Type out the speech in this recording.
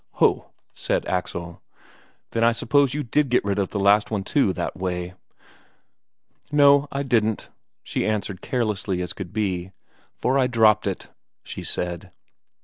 "Ho!" said Axel. "Then I suppose you did get rid of the last one too, that way?" "No, I didn't," she answered carelessly as could be, "for I dropped it," she said.